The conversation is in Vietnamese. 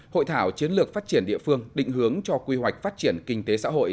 hội thảo chiến lược phát triển địa phương định hướng cho quy hoạch phát triển kinh tế xã hội